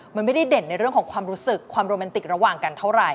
มันไม่ได้เด่นในเรื่องของความรู้สึกความโรแมนติกระหว่างกันเท่าไหร